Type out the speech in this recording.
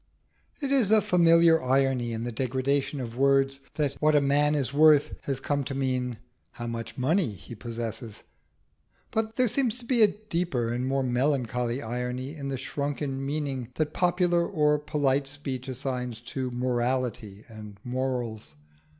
It is a familiar example of irony in the degradation of words that "what a man is worth" has come to mean how much money he possesses; but there seems a deeper and more melancholy irony in the shrunken meaning that popular or polite speech assigns to "morality" and "morals."